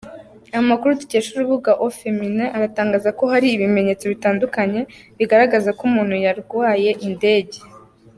Amakuru dukesha urubuga aufeminin, aratangaza ko hari ibimenyetso bitandukanye bigaragaza ko umuntu yarwaye indege.